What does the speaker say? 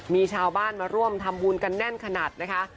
มีชาวบ้านมาร่วมทำบุญกันแน่นขนาดนะคะ